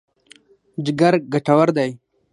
جګر ګټور دی.